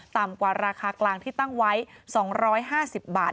ต่ำกว่าราคากลางที่ตั้งไว้๒๕๐บาท